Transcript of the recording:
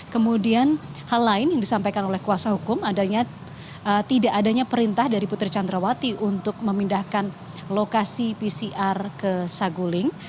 kemudian hal lain yang disampaikan oleh kuasa hukum adanya tidak adanya perintah dari putri candrawati untuk memindahkan lokasi pcr ke saguling